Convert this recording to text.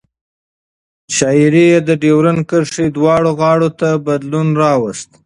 شاعري یې د ډیورند کرښې دواړو غاړو ته بدلون راوست.